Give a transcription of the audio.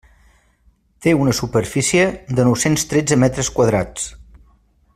Té una superfície de nou-cents tretze metres quadrats.